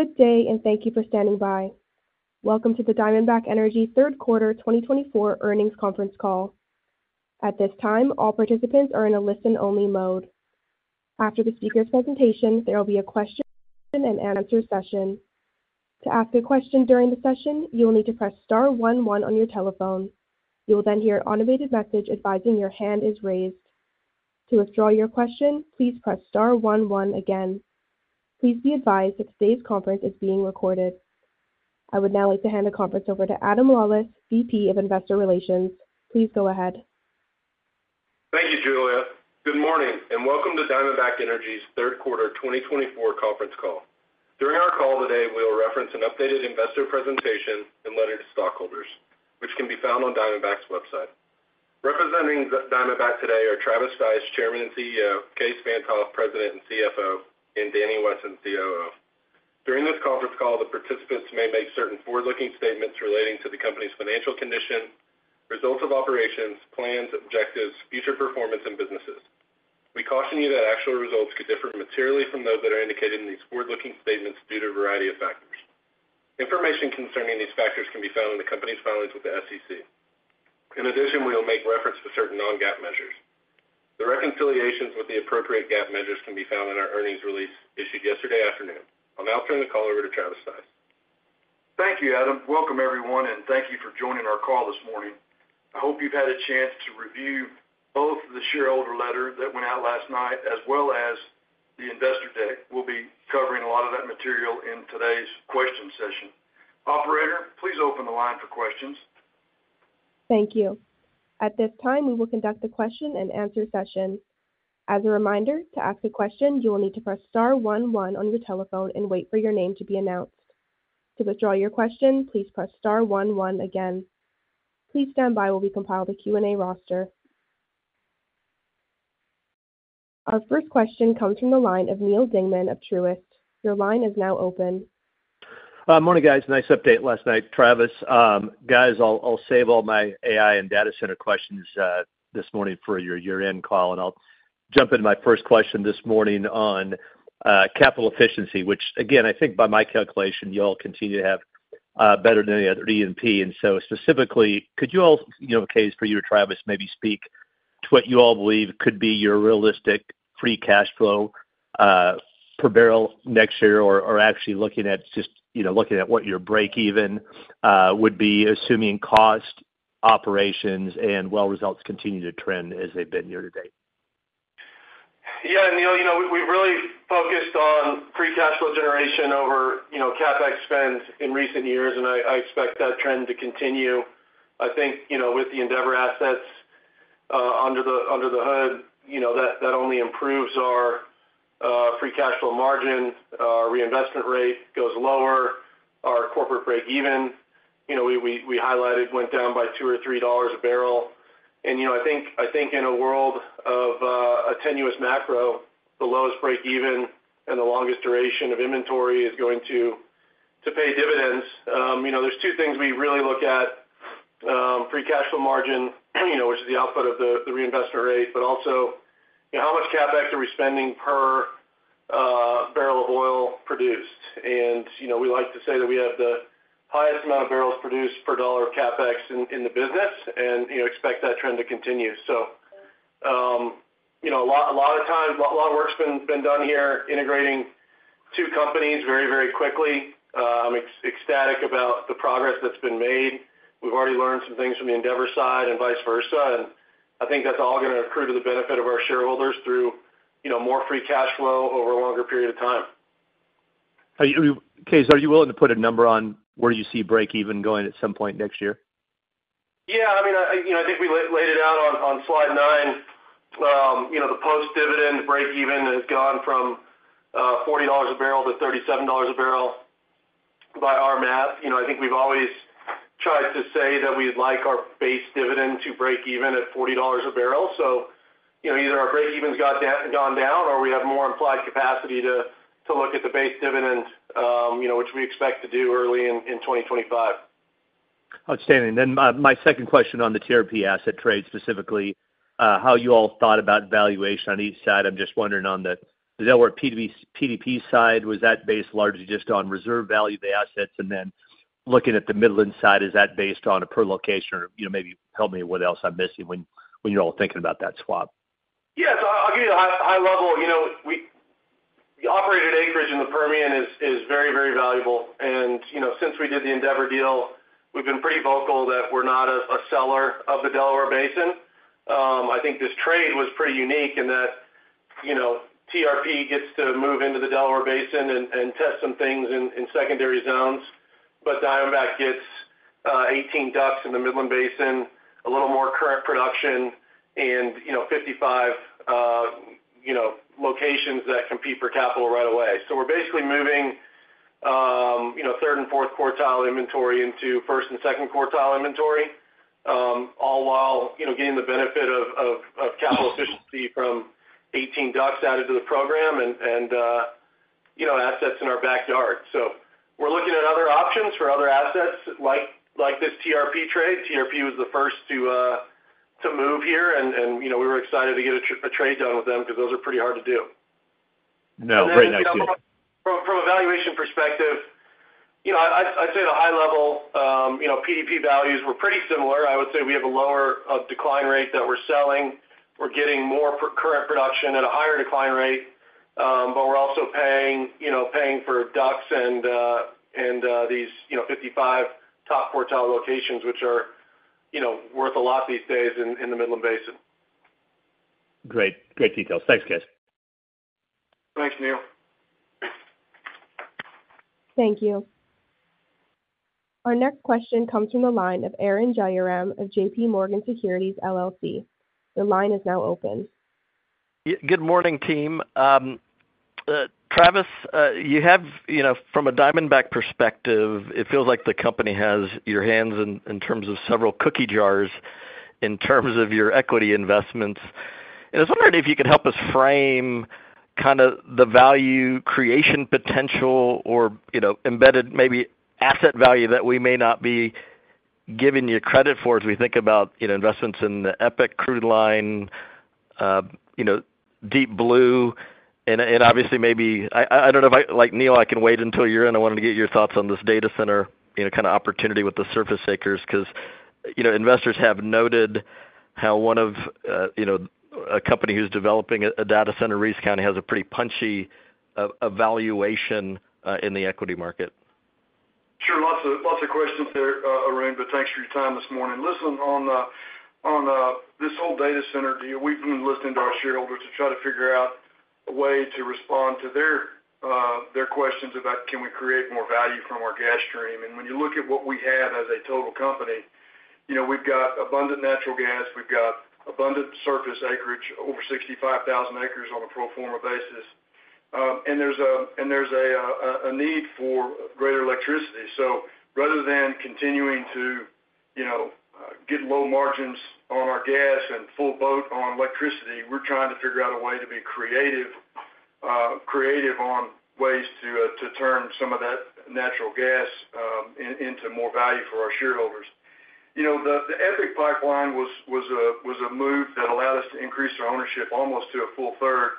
Good day, and thank you for standing by. Welcome to the Diamondback Energy Q3 2024 earnings conference call. At this time, all participants are in a listen-only mode. After the speaker's presentation, there will be a question and answer session. To ask a question during the session, you will need to press star 11 on your telephone. You will then hear an automated message advising your hand is raised. To withdraw your question, please press star 11 again. Please be advised that today's conference is being recorded. I would now like to hand the conference over to Adam Lawlis, VP of Investor Relations. Please go ahead. Thank you, Julia. Good morning, and welcome to Diamondback Energy's Q3 2024 conference call. During our call today, we will reference an updated investor presentation and letter to stockholders, which can be found on Diamondback's website. Representing Diamondback today are Travis Stice, Chairman and CEO, Kaes Van't Hof, President and CFO, and Danny Wesson, COO. During this conference call, the participants may make certain forward-looking statements relating to the company's financial condition, results of operations, plans, objectives, future performance, and businesses. We caution you that actual results could differ materially from those that are indicated in these forward-looking statements due to a variety of factors. Information concerning these factors can be found in the company's filings with the SEC. In addition, we will make reference to certain non-GAAP measures. The reconciliations with the appropriate GAAP measures can be found in our earnings release issued yesterday afternoon. I'll now turn the call over to Travis Stice. Thank you, Adam. Welcome, everyone, and thank you for joining our call this morning. I hope you've had a chance to review both the shareholder letter that went out last night as well as the investor deck. We'll be covering a lot of that material in today's question session. Operator, please open the line for questions. Thank you. At this time, we will conduct a question and answer session. As a reminder, to ask a question, you will need to press star 11 on your telephone and wait for your name to be announced. To withdraw your question, please press star 11 again. Please stand by while we compile the Q&A roster. Our first question comes from the line of Neal Dingmann of Truist. Your line is now open. Morning, guys. Nice update last night, Travis. Guys, I'll save all my AI and data center questions this morning for your year-end call, and I'll jump into my first question this morning on capital efficiency, which, again, I think by my calculation you all continue to have better than any other E&P. And so specifically, could you all, Kaes, for you or Travis, maybe speak to what you all believe could be your realistic free cash flow per barrel next year, or actually looking at just what your break-even would be, assuming cost, operations, and well results continue to trend as they've been year to date? Neil, we've really focused on free cash flow generation over CapEx spend in recent years, and I expect that trend to continue. I think with the Endeavor assets under the hood, that only improves our free cash flow margin. Our reinvestment rate goes lower. Our corporate break-even, we highlighted, went down by $2 or $3 a barrel. And I think in a world of tenuous macro, the lowest break-even and the longest duration of inventory is going to pay dividends. There's two things we really look at: free cash flow margin, which is the output of the reinvestment rate, but also how much CapEx are we spending per barrel of oil produced. And we like to say that we have the highest amount of barrels produced per dollar of CapEx in the business and expect that trend to continue. A lot of times, a lot of work's been done here integrating two companies very, very quickly. I'm ecstatic about the progress that's been made. We've already learned some things from the Endeavor side and vice versa. I think that's all going to accrue to the benefit of our shareholders through more free cash flow over a longer period of time. Kaes, are you willing to put a number on where you see break-even going at some point next year? I mean, I think we laid it out on Slide 9. The post-dividend break-even has gone from $40 a barrel to $37 a barrel by our math. I think we've always tried to say that we'd like our base dividend to break-even at $40 a barrel. So either our break-even's gone down or we have more implied capacity to look at the base dividend, which we expect to do early in 2025. Outstanding. Then my second question on the TRP asset trade specifically, how you all thought about valuation on each side? I'm just wondering on the Delaware PDP side, was that based largely just on reserve value of the assets? And then looking at the Midland side, is that based on a per location? Or maybe help me with what else I'm missing when you're all thinking about that swap. So I'll give you a high level. The operated acreage in the Permian is very, very valuable, and since we did the Endeavor deal, we've been pretty vocal that we're not a seller of the Delaware Basin. I think this trade was pretty unique in that TRP gets to move into the Delaware Basin and test some things in secondary zones, but Diamondback gets 18 DUCs in the Midland Basin, a little more current production, and 55 locations that compete for capital right away. So we're basically moving third and fourth quartile inventory into first and second quartile inventory, all while getting the benefit of capital efficiency from 18 DUCs added to the program and assets in our backyard. So we're looking at other options for other assets like this TRP trade. TRP was the first to move here, and we were excited to get a trade done with them because those are pretty hard to do. No, great answer. From a valuation perspective, I'd say the high-level PDP values were pretty similar. I would say we have a lower decline rate that we're selling. We're getting more current production at a higher decline rate, but we're also paying for DUCs and these 55 top quartile locations, which are worth a lot these days in the Midland Basin. Great. Great details. Thanks, Kaes. Thanks, Neil. Thank you. Our next question comes from the line of Arun Jayaram of JPMorgan Securities LLC. The line is now open. Good morning, team. Travis, from a Diamondback perspective, it feels like the company has its hands in terms of several cookie jars in terms of your equity investments. And I was wondering if you could help us frame kind of the value creation potential or embedded maybe asset value that we may not be giving you credit for as we think about investments in the EPIC crude line, Deep Blue, and obviously maybe I don't know if, like Neil, I can wait until you're in. I wanted to get your thoughts on this data center kind of opportunity with the surface acres because investors have noted how one company who's developing a data center in Reeves County has a pretty punchy valuation in the equity market. Sure. Lots of questions there, Arun, but thanks for your time this morning. Listen, on this whole data center deal, we've been listening to our shareholders to try to figure out a way to respond to their questions about, can we create more value from our gas stream, and when you look at what we have as a total company, we've got abundant natural gas. We've got abundant surface acreage, over 65,000 acres on a pro forma basis, and there's a need for greater electricity, so rather than continuing to get low margins on our gas and full boat on electricity, we're trying to figure out a way to be creative on ways to turn some of that natural gas into more value for our shareholders. The EPIC pipeline was a move that allowed us to increase our ownership almost to a full third,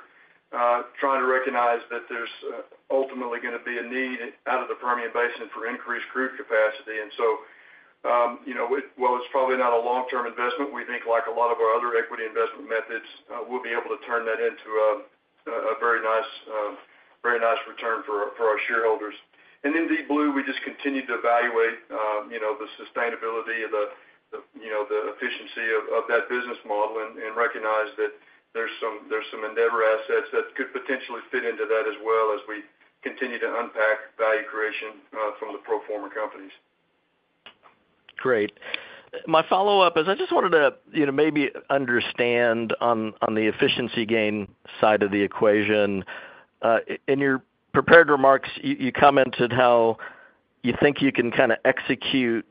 trying to recognize that there's ultimately going to be a need out of the Permian Basin for increased crude capacity. And so, while it's probably not a long-term investment, we think like a lot of our other equity investment methods, we'll be able to turn that into a very nice return for our shareholders. And in Deep Blue, we just continue to evaluate the sustainability of the efficiency of that business model and recognize that there's some Endeavor assets that could potentially fit into that as well as we continue to unpack value creation from the pro forma companies. Great. My follow-up is I just wanted to maybe understand on the efficiency gain side of the equation. In your prepared remarks, you commented how you think you can kind of execute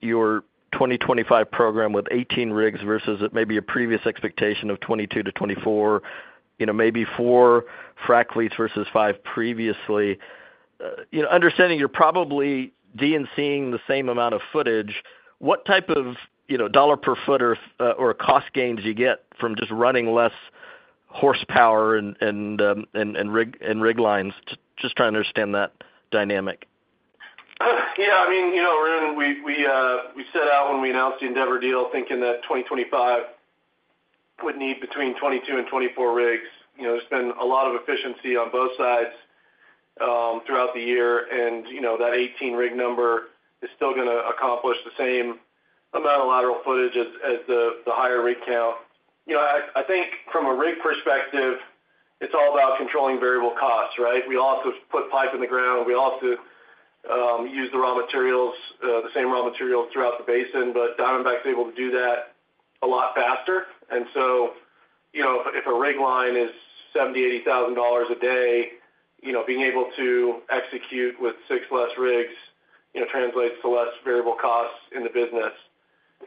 your 2025 program with 18 rigs versus maybe a previous expectation of 22 to 24, maybe four frac fleets versus five previously. Understanding you're probably D&Cing the same amount of footage, what type of dollar per foot or cost gains do you get from just running less horsepower and rig lines? Just trying to understand that dynamic. I mean, Arun, we set out when we announced the Endeavor deal thinking that 2025 would need between 22 and 24 rigs. There's been a lot of efficiency on both sides throughout the year, and that 18 rig number is still going to accomplish the same amount of lateral footage as the higher rig count. I think from a rig perspective, it's all about controlling variable costs, right? We also put pipe in the ground. We also use the same raw materials throughout the basin, but Diamondback's able to do that a lot faster. And so if a rig line is $70,000-$80,000 a day, being able to execute with six less rigs translates to less variable costs in the business.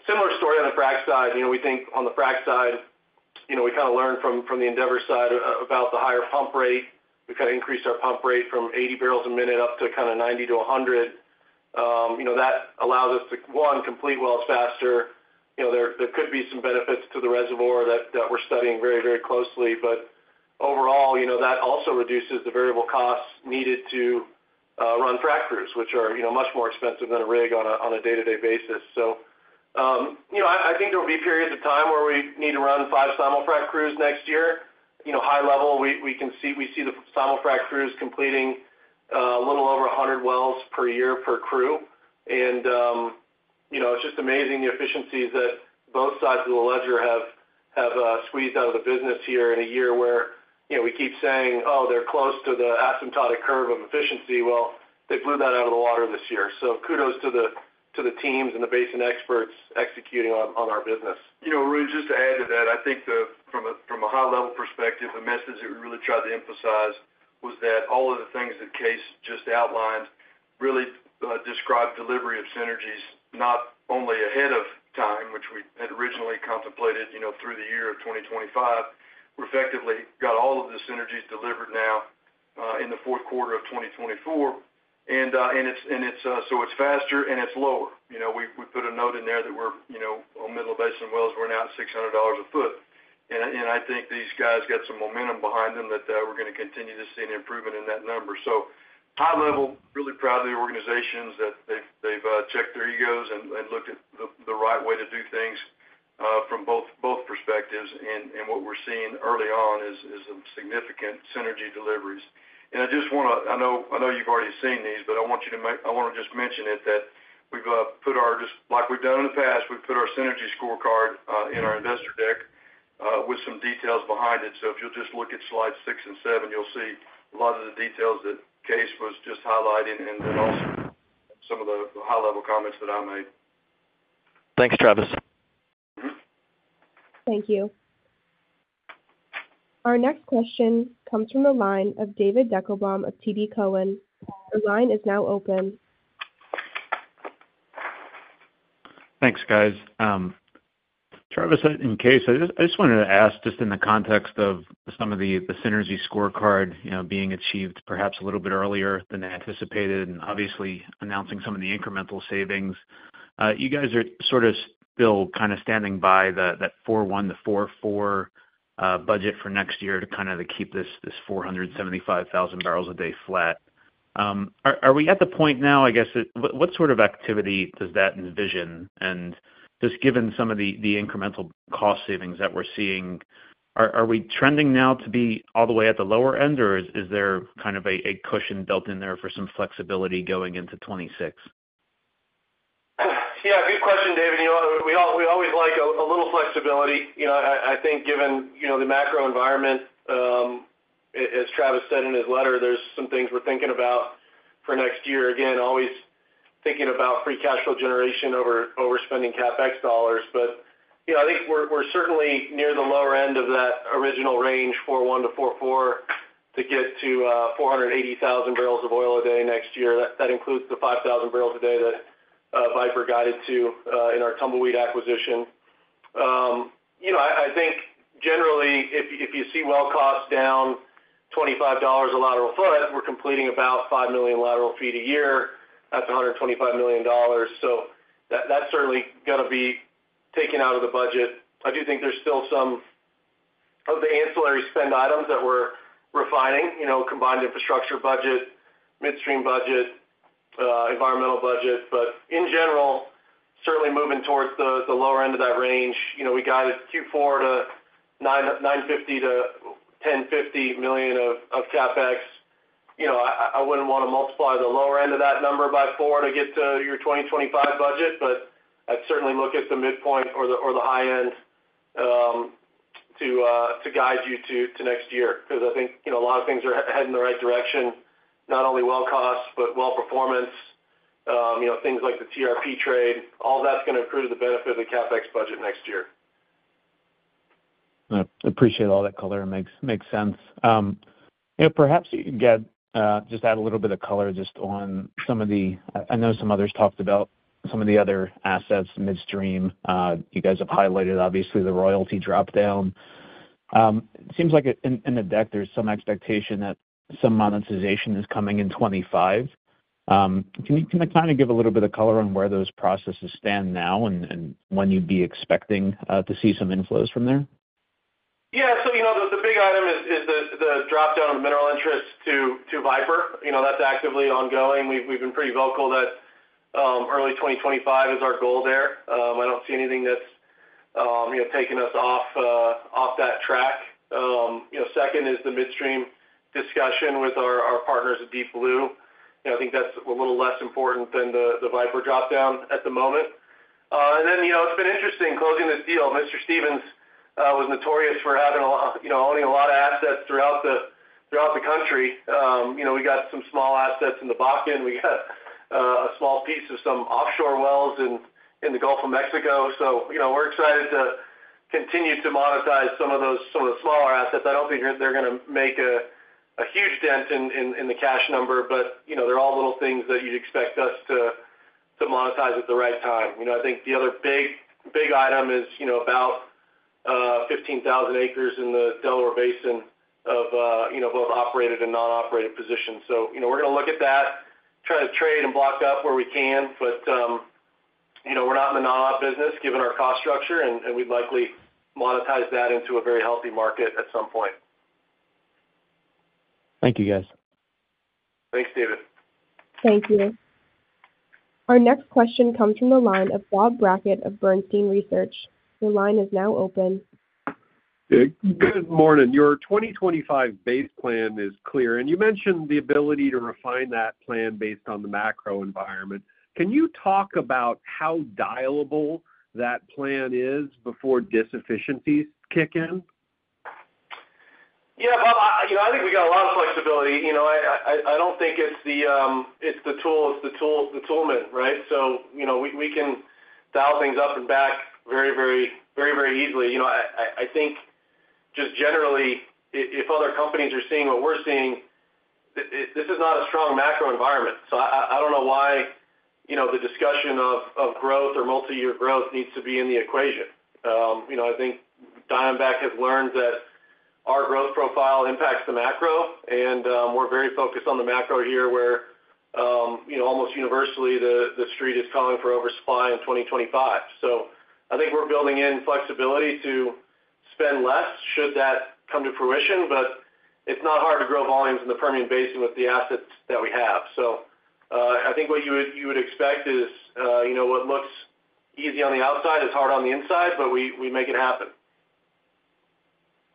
Similar story on the frac side. We think on the frac side, we kind of learned from the Endeavor side about the higher pump rate. We kind of increased our pump rate from 80 barrels a minute up to kind of 90 to 100. That allows us to, one, complete wells faster. There could be some benefits to the reservoir that we're studying very, very closely. But overall, that also reduces the variable costs needed to run frac crews, which are much more expensive than a rig on a day-to-day basis. So I think there will be periods of time where we need to run five simul-frac crews next year. High level, we see the simul-frac crews completing a little over 100 wells per year per crew. And it's just amazing the efficiencies that both sides of the ledger have squeezed out of the business here in a year where we keep saying, "Oh, they're close to the asymptotic curve of efficiency." Well, they blew that out of the water this year. Kudos to the teams and the basin experts executing on our business. Arun, just to add to that, I think from a high-level perspective, the message that we really tried to emphasize was that all of the things that Kaes just outlined really described delivery of synergies, not only ahead of time, which we had originally contemplated through the year of 2025. We effectively got all of the synergies delivered now in the Q4 of 2024, and so it's faster and it's lower. We put a note in there that we're on Midland Basin wells, we're now at $600 a foot, and I think these guys got some momentum behind them that we're going to continue to see an improvement in that number, so high level, really proud of the organizations that they've checked their egos and looked at the right way to do things from both perspectives, and what we're seeing early on is significant synergy deliveries. want to mention that I know you've already seen these, but I want you to just look at Slides 6 and 7. I want to just mention that we've put our synergy scorecard in our investor deck with some details behind it, just like we've done in the past. So if you'll just look at Slides 6 and 7, you'll see a lot of the details that Kaes was just highlighting and then also some of the high-level comments that I made. Thanks, Travis. Thank you. Our next question comes from the line of David Deckelbaum of TD Cowen. The line is now open. Thanks, guys. Travis and Kaes, I just wanted to ask just in the context of some of the synergy scorecard being achieved perhaps a little bit earlier than anticipated and obviously announcing some of the incremental savings. You guys are sort of still kind of standing by that 41, the 44 budget for next year to kind of keep this 475,000 barrels a day flat. Are we at the point now, I guess, what sort of activity does that envision? And just given some of the incremental cost savings that we're seeing, are we trending now to be all the way at the lower end, or is there kind of a cushion built in there for some flexibility going into 2026? Good question, David. We always like a little flexibility. I think given the macro environment, as Travis said in his letter, there's some things we're thinking about for next year. Again, always thinking about free cash flow generation over spending CapEx dollars. But I think we're certainly near the lower end of that original range, 4-1 to 4-4, to get to 480,000 barrels of oil a day next year. That includes the 5,000 barrels a day that Viper guided to in our Tumbleweed acquisition. I think generally, if you see well costs down $25 a lateral foot, we're completing about 5 million lateral feet a year. That's $125 million. So that's certainly going to be taken out of the budget. I do think there's still some of the ancillary spend items that we're refining: combined infrastructure budget, midstream budget, environmental budget. But in general, certainly moving towards the lower end of that range. We guided Q4 to $950 million-$1,050 million of CapEx. I wouldn't want to multiply the lower end of that number by four to get to your 2025 budget, but I'd certainly look at the midpoint or the high end to guide you to next year because I think a lot of things are heading the right direction, not only well costs, but well performance. Things like the TRP trade, all of that's going to accrue to the benefit of the CapEx budget next year. Appreciate all that color. Makes sense. Perhaps you could just add a little bit of color just on some of the, I know some others talked about some of the other assets, midstream. You guys have highlighted, obviously, the royalty dropdown. It seems like in the deck there's some expectation that some monetization is coming in 2025. Can you kind of give a little bit of color on where those processes stand now and when you'd be expecting to see some inflows from there? So the big item is the dropdown of mineral interest to Viper. That's actively ongoing. We've been pretty vocal that early 2025 is our goal there. I don't see anything that's taking us off that track. Second is the midstream discussion with our partners at Deep Blue. I think that's a little less important than the Viper dropdown at the moment. And then it's been interesting closing this deal. Mr. Stephens was notorious for owning a lot of assets throughout the country. We got some small assets in the Bakken. We got a small piece of some offshore wells in the Gulf of Mexico. So we're excited to continue to monetize some of those smaller assets. I don't think they're going to make a huge dent in the cash number, but they're all little things that you'd expect us to monetize at the right time. I think the other big item is about 15,000 acres in the Delaware Basin of both operated and non-operated positions, so we're going to look at that, try to trade and block up where we can, but we're not in the non-op business given our cost structure, and we'd likely monetize that into a very healthy market at some point. Thank you, guys. Thanks, David. Thank you. Our next question comes from the line of Bob Brackett of Bernstein Research. The line is now open. Good morning. Your 2025 base plan is clear, and you mentioned the ability to refine that plan based on the macro environment. Can you talk about how scalable that plan is before inefficiencies kick in? Bob, I think we got a lot of flexibility. I don't think it's the tool. It's the toolman, right? So we can dial things up and back very, very easily. I think just generally, if other companies are seeing what we're seeing, this is not a strong macro environment. So I don't know why the discussion of growth or multi-year growth needs to be in the equation. I think Diamondback has learned that our growth profile impacts the macro, and we're very focused on the macro here where almost universally the street is calling for oversupply in 2025. So I think we're building in flexibility to spend less should that come to fruition, but it's not hard to grow volumes in the Permian Basin with the assets that we have. So, I think what you would expect is what looks easy on the outside is hard on the inside, but we make it happen.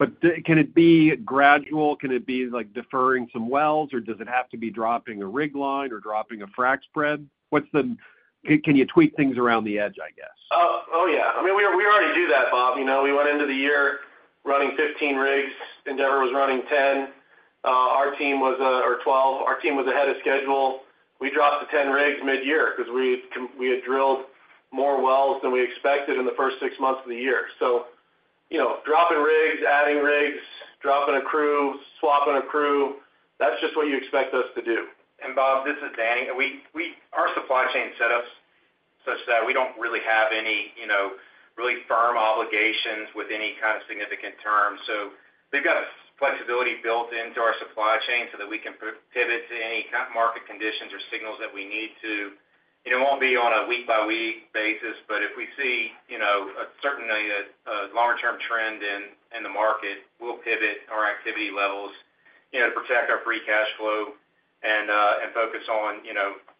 But can it be gradual? Can it be deferring some wells, or does it have to be dropping a rig line or dropping a frac spread? Can you tweak things around the edge, I guess? I mean, we already do that, Bob. We went into the year running 15 rigs. Endeavor was running 10. Our team was a 12. Our team was ahead of schedule. We dropped the 10 rigs midyear because we had drilled more wells than we expected in the first six months of the year. So dropping rigs, adding rigs, dropping a crew, swapping a crew, that's just what you expect us to do. Bob, this is Danny. Our supply chain setups such that we don't really have any really firm obligations with any kind of significant terms. So we've got flexibility built into our supply chain so that we can pivot to any kind of market conditions or signals that we need to. It won't be on a week-by-week basis, but if we see a certainly longer-term trend in the market, we'll pivot our activity levels to protect our free cash flow and focus on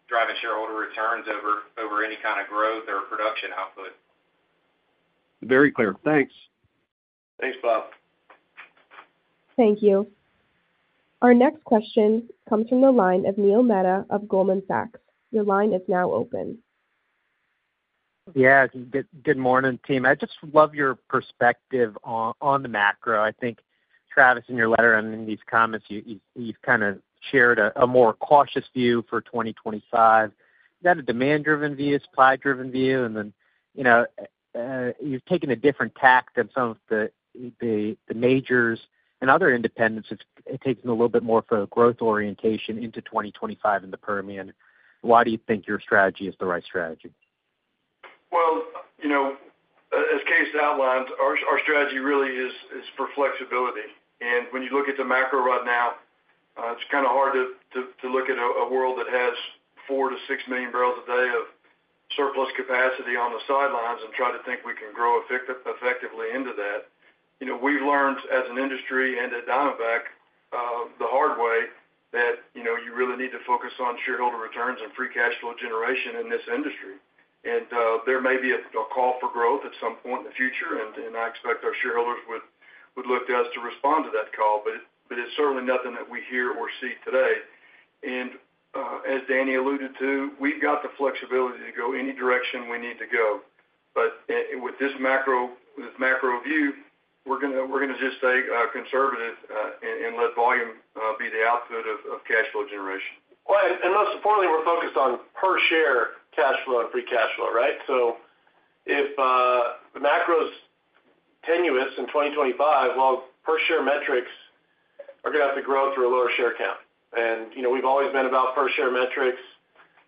driving shareholder returns over any kind of growth or production output. Very clear. Thanks. Thanks, Bob. Thank you. Our next question comes from the line of Neil Mehta of Goldman Sachs. Your line is now open. Good morning, team. I just love your perspective on the macro. I think, Travis, in your letter and in these comments, you've kind of shared a more cautious view for 2025. Is that a demand-driven vs. supply-driven view? And then you've taken a different tack than some of the majors and other independents. It takes a little bit more for a growth orientation into 2025 in the Permian. Why do you think your strategy is the right strategy? As Kaes outlined, our strategy really is for flexibility. When you look at the macro right now, it's kind of hard to look at a world that has 4-6 million barrels a day of surplus capacity on the sidelines and try to think we can grow effectively into that. We've learned as an industry and at Diamondback the hard way that you really need to focus on shareholder returns and free cash flow generation in this industry. There may be a call for growth at some point in the future, and I expect our shareholders would look to us to respond to that call. It's certainly nothing that we hear or see today. As Danny alluded to, we've got the flexibility to go any direction we need to go. But with this macro view, we're going to just stay conservative and let volume be the output of cash flow generation. And most importantly, we're focused on per-share cash flow and free cash flow, right? So if the macro's tenuous in 2025, well, per-share metrics are going to have to grow through a lower share count. And we've always been about per-share metrics,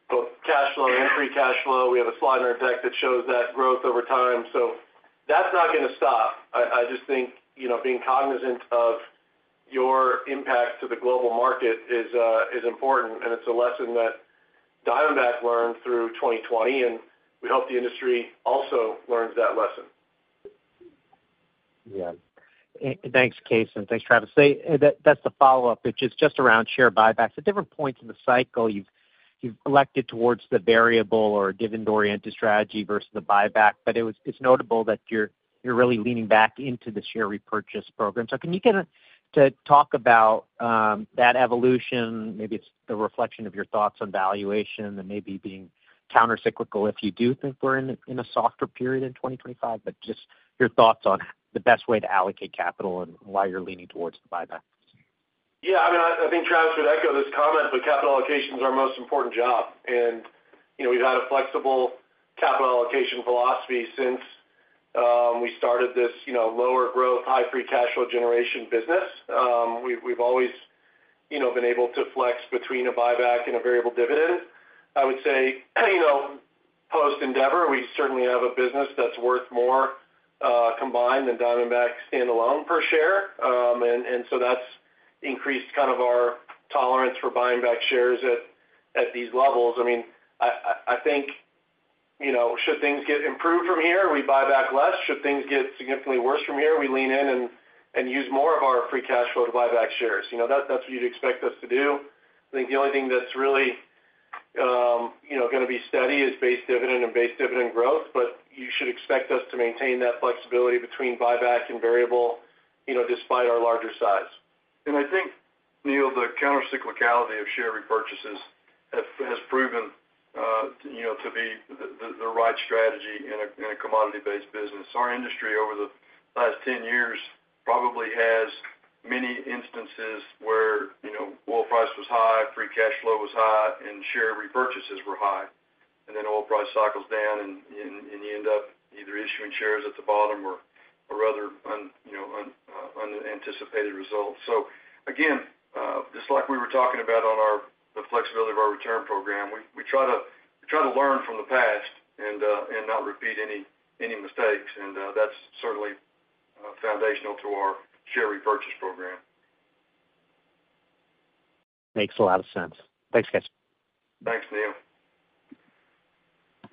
both cash flow and free cash flow. We have a slide in our deck that shows that growth over time. So that's not going to stop. I just think being cognizant of your impact to the global market is important, and it's a lesson that Diamondback learned through 2020, and we hope the industry also learns that lesson. Thanks, Kaes. Thanks, Travis. That's the follow-up, which is just around share buybacks. At different points in the cycle, you've elected towards the variable or dividend-oriented strategy versus the buyback, but it's notable that you're really leaning back into the share repurchase program. So can you talk about that evolution? Maybe it's the reflection of your thoughts on valuation and maybe being countercyclical if you do think we're in a softer period in 2025, but just your thoughts on the best way to allocate capital and why you're leaning towards the buyback. I mean, I think Travis would echo this comment, but capital allocation is our most important job. And we've had a flexible capital allocation philosophy since we started this lower growth, high free cash flow generation business. We've always been able to flex between a buyback and a variable dividend. I would say post-Endeavor, we certainly have a business that's worth more combined than Diamondback standalone per share. And so that's increased kind of our tolerance for buying back shares at these levels. I mean, I think should things get improved from here, we buy back less. Should things get significantly worse from here, we lean in and use more of our free cash flow to buy back shares. That's what you'd expect us to do. I think the only thing that's really going to be steady is base dividend and base dividend growth, but you should expect us to maintain that flexibility between buyback and variable despite our larger size. And I think, Neil, the countercyclicality of share repurchases has proven to be the right strategy in a commodity-based business. Our industry over the last 10 years probably has many instances where oil price was high, free cash flow was high, and share repurchases were high. And then oil price cycles down, and you end up either issuing shares at the bottom or other unanticipated results. So again, just like we were talking about on the flexibility of our return program, we try to learn from the past and not repeat any mistakes. And that's certainly foundational to our share repurchase program. Makes a lot of sense. Thanks, guys. Thanks, Neil.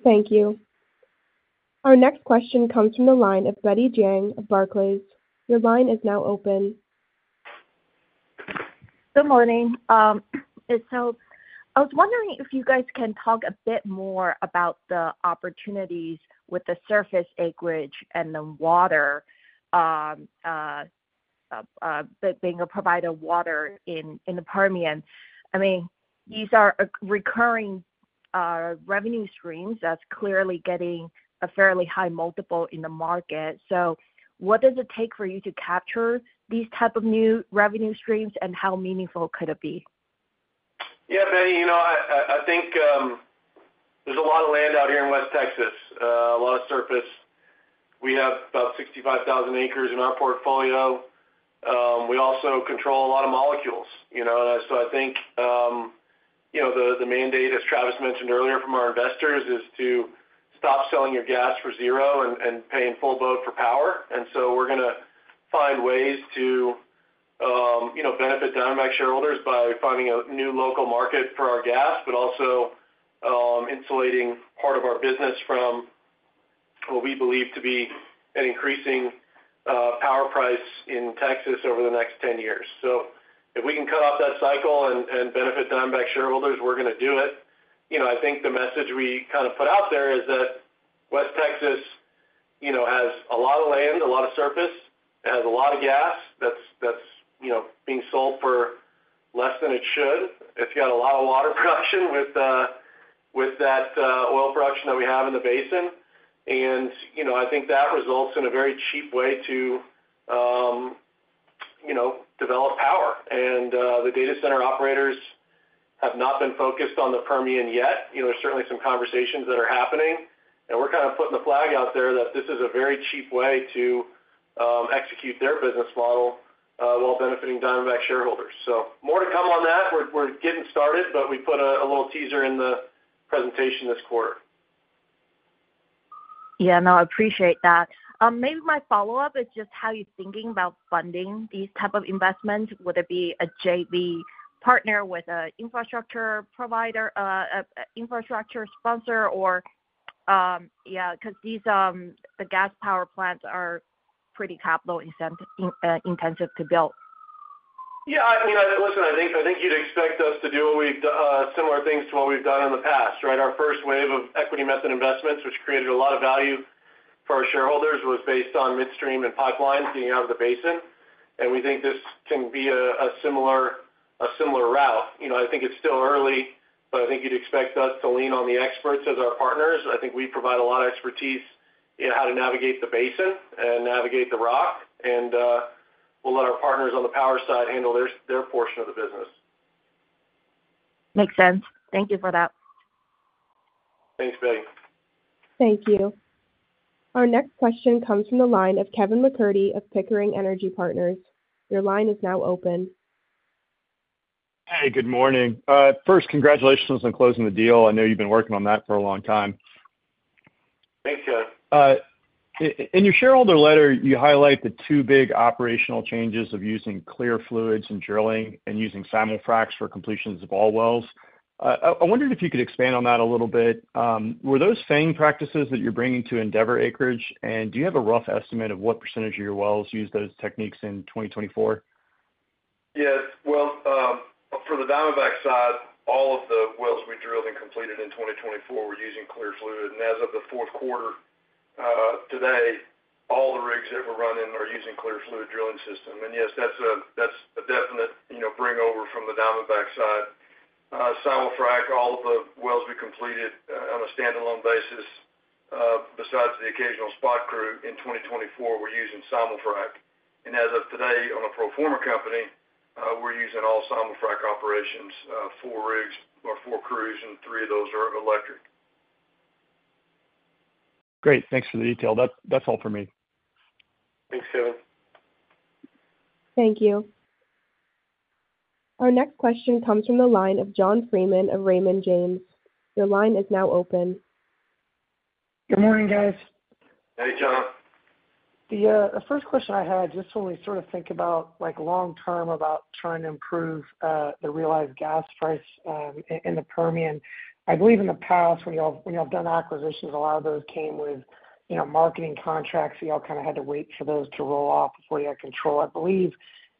Thank you. Our next question comes from the line of Betty Jiang of Barclays. Your line is now open. Good morning. So I was wondering if you guys can talk a bit more about the opportunities with the surface acreage and the water being a provider of water in the Permian? I mean, these are recurring revenue streams that's clearly getting a fairly high multiple in the market. So what does it take for you to capture these types of new revenue streams, and how meaningful could it be? Betty, I think there's a lot of land out here in West Texas, a lot of surface. We have about 65,000 acres in our portfolio. We also control a lot of molecules. So I think the mandate, as Travis mentioned earlier, from our investors is to stop selling your gas for zero and pay in full boat for power. And so we're going to find ways to benefit Diamondback shareholders by finding a new local market for our gas, but also insulating part of our business from what we believe to be an increasing power price in Texas over the next 10 years. So if we can cut off that cycle and benefit Diamondback shareholders, we're going to do it. I think the message we kind of put out there is that West Texas has a lot of land, a lot of surface. It has a lot of gas that's being sold for less than it should. It's got a lot of water production with that oil production that we have in the basin, and I think that results in a very cheap way to develop power. The data center operators have not been focused on the Permian yet. There's certainly some conversations that are happening, and we're kind of putting the flag out there that this is a very cheap way to execute their business model while benefiting Diamondback shareholders. More to come on that. We're getting started, but we put a little teaser in the presentation this quarter. No, I appreciate that. Maybe my follow-up is just how you're thinking about funding these types of investments. Would it be a JV partner with an infrastructure sponsor or because the gas power plants are pretty capital-intensive to build? I mean, listen, I think you'd expect us to do similar things to what we've done in the past, right? Our first wave of equity method investments, which created a lot of value for our shareholders, was based on midstream and pipelines getting out of the basin. And we think this can be a similar route. I think it's still early, but I think you'd expect us to lean on the experts as our partners. I think we provide a lot of expertise in how to navigate the basin and navigate the rock. And we'll let our partners on the power side handle their portion of the business. Makes sense. Thank you for that. Thanks, Betty. Thank you. Our next question comes from the line of Kevin McCurdy of Pickering Energy Partners. Your line is now open. Hey, good morning. First, congratulations on closing the deal. I know you've been working on that for a long time. Thanks, guys. In your shareholder letter, you highlight the two big operational changes of using clear fluids and drilling and using simul-fracs for completions of all wells. I wondered if you could expand on that a little bit. Were those same practices that you're bringing to Endeavor Acreage, and do you have a rough estimate of what percentage of your wells use those techniques in 2024? Yes. Well, for the Diamondback side, all of the wells we drilled and completed in 2024 were using clear fluid. And as of the Q4 today, all the rigs that we're running are using clear fluid drilling system. And yes, that's a definite bring over from the Diamondback side. Simul-frac, all of the wells we completed on a standalone basis, besides the occasional spot crew in 2024, we're using simul-frac. And as of today, on a pro forma company, we're using all simul-frac operations, four rigs or four crews, and three of those are electric. Great. Thanks for the detail. That's all for me. Thanks, Kevin. Thank you. Our next question comes from the line of John Freeman of Raymond James. Your line is now open. Good morning, guys. Hey, John. The first question I had just when we sort of think about long-term about trying to improve the realized gas price in the Permian, I believe in the past, when you all have done acquisitions, a lot of those came with marketing contracts. You all kind of had to wait for those to roll off before you had control. I believe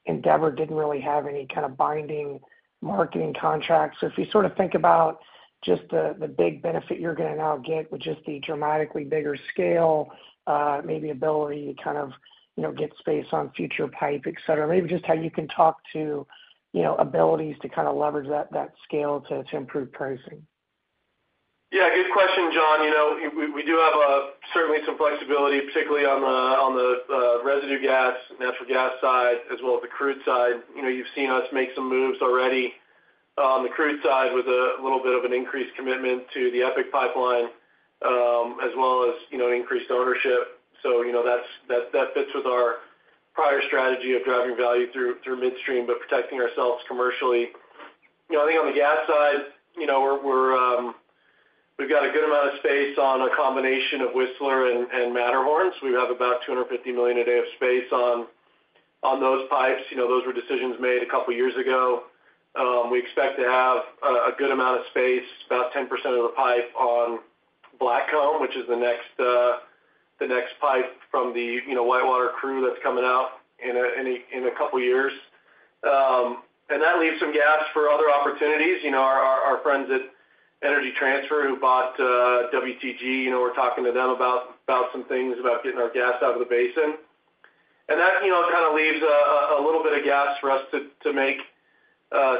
Endeavor didn't really have any kind of binding marketing contracts. So if you sort of think about just the big benefit you're going to now get, which is the dramatically bigger scale, maybe ability to kind of get space on future pipe, etc., maybe just how you can talk to abilities to kind of leverage that scale to improve pricing. Good question, John. We do have certainly some flexibility, particularly on the residue gas, natural gas side, as well as the crude side. You've seen us make some moves already on the crude side with a little bit of an increased commitment to the EPIC pipeline, as well as increased ownership. So that fits with our prior strategy of driving value through midstream but protecting ourselves commercially. I think on the gas side, we've got a good amount of space on a combination of Whistler and Matterhorn. We have about 250 million a day of space on those pipes. Those were decisions made a couple of years ago. We expect to have a good amount of space, about 10% of the pipe on Blackcomb, which is the next pipe from the WhiteWater crew that's coming out in a couple of years. And that leaves some gaps for other opportunities. Our friends at Energy Transfer who bought WTG, we're talking to them about some things about getting our gas out of the basin. And that kind of leaves a little bit of gaps for us to make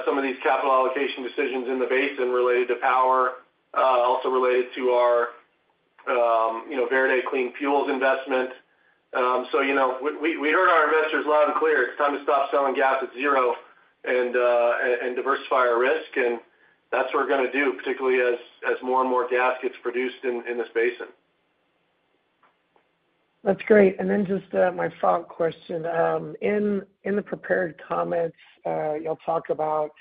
some of these capital allocation decisions in the basin related to power, also related to our Verde Clean Fuels investment. So we heard our investors loud and clear. It's time to stop selling gas at zero and diversify our risk. And that's what we're going to do, particularly as more and more gas gets produced in this basin. That's great. And then just my follow-up question. In the prepared comments, you'll talk about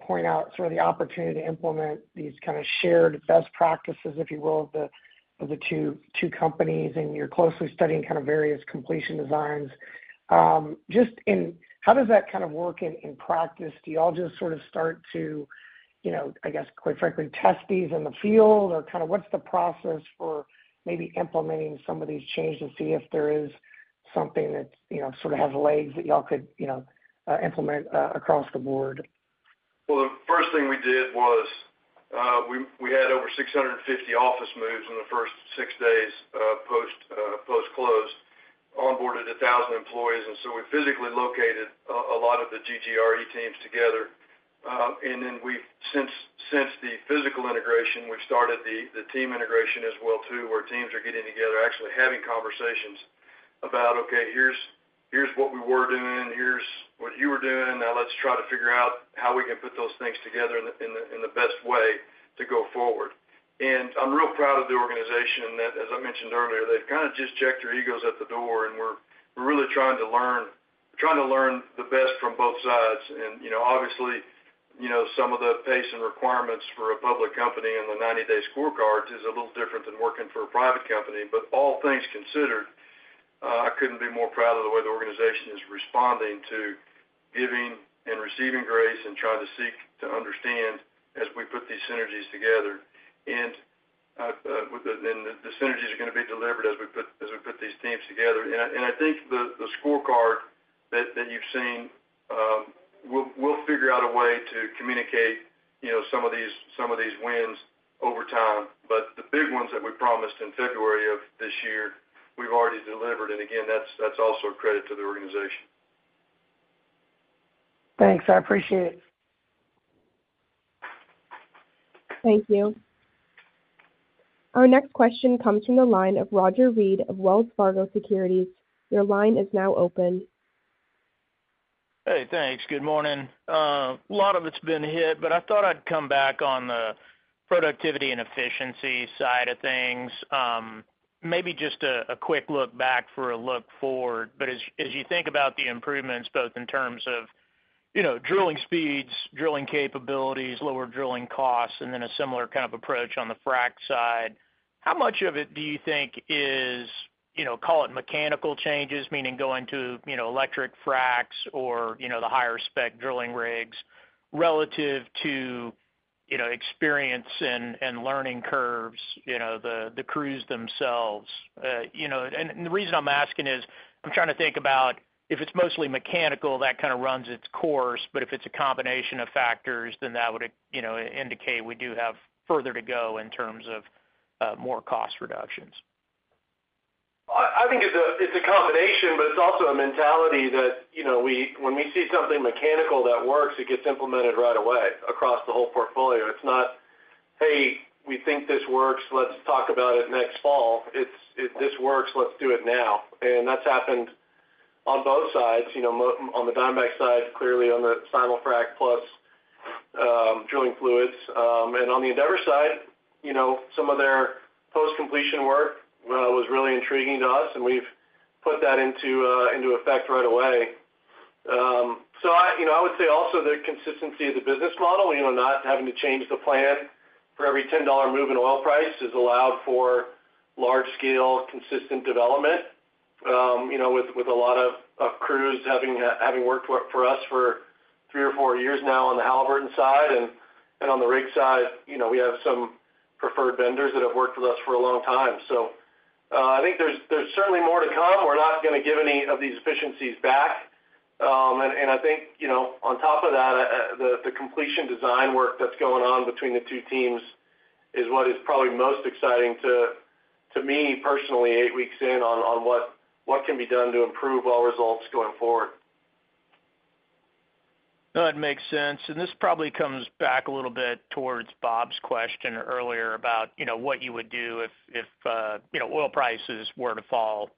point out sort of the opportunity to implement these kind of shared best practices, if you will, of the two companies. And you're closely studying kind of various completion designs. Just in how does that kind of work in practice? Do you all just sort of start to, I guess, quite frankly, test these in the field? Or kind of what's the process for maybe implementing some of these changes to see if there is something that sort of has legs that you all could implement across the board? The first thing we did was we had over 650 office moves in the first six days post-close, onboarded 1,000 employees, and so we physically located a lot of the GGRE teams together, and then since the physical integration, we've started the team integration as well too, where teams are getting together, actually having conversations about, "Okay, here's what we were doing. Here's what you were doing. Now let's try to figure out how we can put those things together in the best way to go forward," and I'm real proud of the organization that, as I mentioned earlier, they've kind of just checked their egos at the door, and we're really trying to learn the best from both sides. Obviously, some of the pace and requirements for a public company and the 90-day scorecard is a little different than working for a private company. But all things considered, I couldn't be more proud of the way the organization is responding to giving and receiving grace and trying to seek to understand as we put these synergies together. The synergies are going to be delivered as we put these teams together. I think the scorecard that you've seen, we'll figure out a way to communicate some of these wins over time. The big ones that we promised in February of this year, we've already delivered. Again, that's also a credit to the organization. Thanks. I appreciate it. Thank you. Our next question comes from the line of Roger Read of Wells Fargo Securities. Your line is now open. Hey, thanks. Good morning. A lot of it's been hit, but I thought I'd come back on the productivity and efficiency side of things. Maybe just a quick look back for a look forward. But as you think about the improvements, both in terms of drilling speeds, drilling capabilities, lower drilling costs, and then a similar kind of approach on the frac side, how much of it do you think is, call it mechanical changes, meaning going to electric fracs or the higher spec drilling rigs relative to experience and learning curves, the crews themselves? And the reason I'm asking is I'm trying to think about if it's mostly mechanical, that kind of runs its course. But if it's a combination of factors, then that would indicate we do have further to go in terms of more cost reductions. I think it's a combination, but it's also a mentality that when we see something mechanical that works, it gets implemented right away across the whole portfolio. It's not, "Hey, we think this works. Let's talk about it next fall." It's, "This works. Let's do it now." And that's happened on both sides. On the Diamondback side, clearly on the simul-frac plus drilling fluids. And on the Endeavor side, some of their post-completion work was really intriguing to us, and we've put that into effect right away. So I would say also the consistency of the business model, not having to change the plan for every $10 move in oil price is allowed for large-scale consistent development with a lot of crews having worked for us for three or four years now on the Halliburton side. On the rig side, we have some preferred vendors that have worked with us for a long time. So I think there's certainly more to come. We're not going to give any of these efficiencies back. And I think on top of that, the completion design work that's going on between the two teams is what is probably most exciting to me personally, eight weeks in, on what can be done to improve our results going forward. That makes sense. And this probably comes back a little bit towards Bob's question earlier about what you would do if oil prices were to fall,